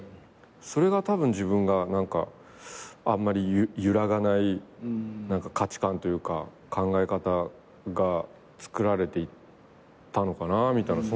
それがたぶん自分があんまり揺らがない価値観というか考え方が作られていったのかなみたいなそんな気はしますけど。